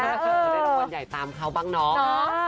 จะได้รางวัลใหญ่ตามเขาบ้างน้อง